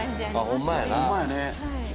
ホンマやね。